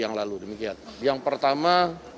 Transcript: yang lalu demikian yang pertama